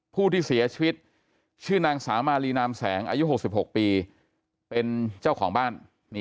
ผู้ที่เสียชีวิตชื่อนางสาวมาลีนามแสงอายุ๖๖ปีเป็นเจ้าของบ้าน